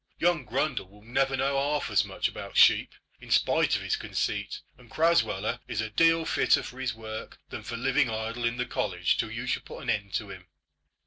Young Grundle will never know half as much about sheep, in spite of his conceit; and Crasweller is a deal fitter for his work than for living idle in the college till you shall put an end to him."